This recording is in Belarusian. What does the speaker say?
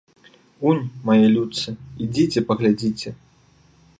Унь, мае людцы, ідзіце, паглядзіце!